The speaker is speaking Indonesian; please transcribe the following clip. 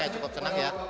ya cukup senang ya